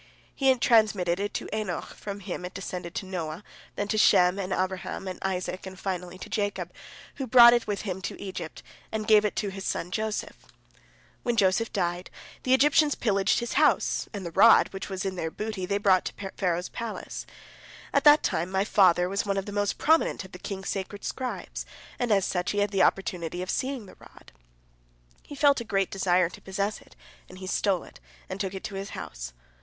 He transmitted it to Enoch, from him it descended to Noah, then to Shem, and Abraham, and Isaac, and finally to Jacob, who brought it with him to Egypt, and gave it to his son Joseph. When Joseph died, the Egyptians pillaged his house, and the rod, which was in their booty, they brought to Pharaoh's palace. At that time my father was one of the most prominent of the king's sacred scribes, and as such he had the opportunity of seeing the rod. He felt a great desire to possess it, and he stole it and took it to his house.